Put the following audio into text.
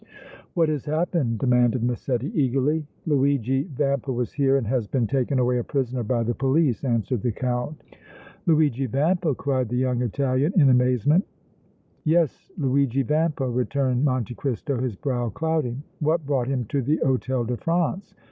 "What has happened?" demanded Massetti, eagerly. "Luigi Vampa was here and has been taken away a prisoner by the police," answered the Count. "Luigi Vampa!" cried the young Italian, in amazement. "Yes, Luigi Tampa," returned Monte Cristo, his brow clouding. "What brought him to the Hôtel de France?"